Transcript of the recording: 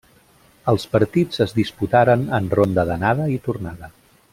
Els partits es disputaren en ronda d'anada i tornada.